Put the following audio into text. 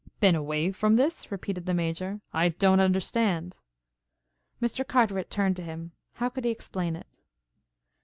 "Been away from this?" repeated the Major. "I don't understand." Mr. Carteret turned to him. How could he explain it?